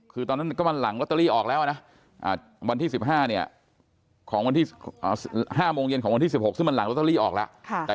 คือวันนั้นมันหลั่งลอตเตอรี่ออกแล้วแล้ววันที่๑๕นี่๑๕โมงเย็นของวันที่๑๖ซึ่งมีมันหลังลอตเตอรี่ออกแล้ว